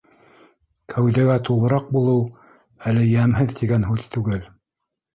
Кәүҙәгә тулыраҡ булыу әле йәмһеҙ тигән һүҙ түгел.